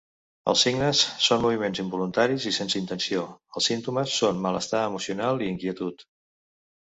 Els signes són moviments involuntaris i sense intenció; els símptomes són malestar emocional i inquietud.